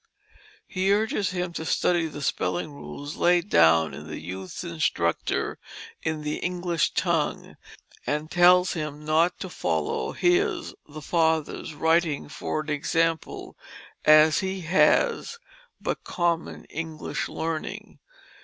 He urges him to study the spelling rules laid down in the Youth's Instructor in the English Tounge, and tells him not to follow his (the father's) writing for an example as he has "but common English learning."